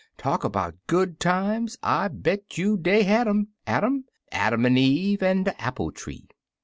Talk 'bout good times! I bet you dey had 'em — Adam Adam an' Eve un' de Appile tree.